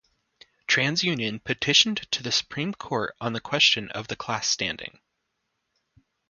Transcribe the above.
Transunion petitioned to the Supreme Court on the question of the class standing.